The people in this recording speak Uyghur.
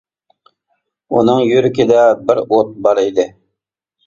ئۇنىڭ يۈرىكىدە بىر ئوت بار ئىدى.